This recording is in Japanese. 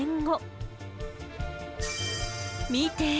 見て！